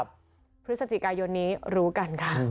พฤศจิกายนนี้รู้กันค่ะ